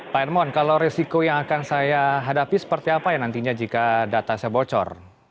pak hermon kalau resiko yang akan saya hadapi seperti apa ya nantinya jika data saya bocor